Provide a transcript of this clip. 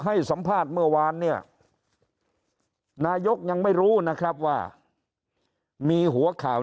ให้สัมภาษณ์เมื่อวานเนี่ยนายกยังไม่รู้นะครับว่ามีหัวข่าว